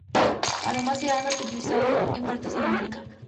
Además, se ha naturalizado en partes de África.